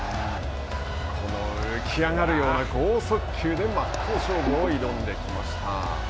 この浮き上がるような剛速球で真っ向勝負を挑んできました。